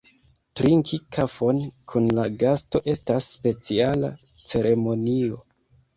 Trinki kafon kun la gasto estas speciala ceremonio.